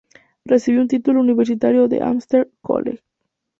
Recibió un título universitario de Amherst College.